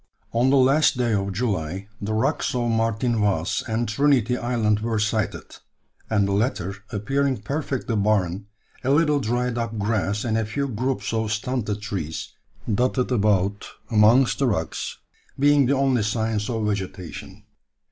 On the last day of July the rocks of Martin Vaz and Trinity Island were sighted, and the latter appearing perfectly barren, a little dried up grass and a few groups of stunted trees, dotted about amongst the rocks, being the only signs of vegetation.